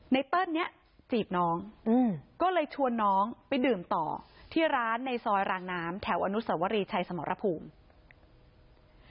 เติ้ลเนี่ยจีบน้องก็เลยชวนน้องไปดื่มต่อที่ร้านในซอยรางน้ำแถวอนุสวรีชัยสมรภูมิ